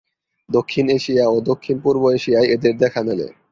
দক্ষিণ এশিয়া ও দক্ষিণ-পূর্ব এশিয়ায় এদের দেখা মেলে।